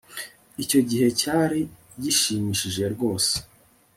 icyo gihe cyari gishimishije rwose